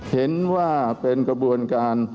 เห็นว่าเป็นกระบวนการ